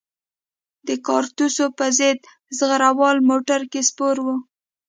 د کارتوسو په ضد زغره وال موټر کې سپور وو.